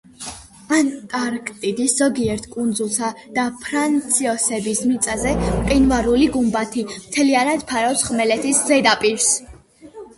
ანტარქტიდის ზოგიერთ კუნძულსა და ფრანც-იოსების მიწაზე მყინვარული გუმბათი მთლიანად ფარავს ხმელეთის ზედაპირს.